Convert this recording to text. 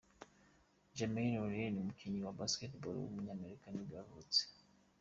Jermaine O’Neil, umukinnyi wa Basketball w’umunyamerika nibwo yavutse.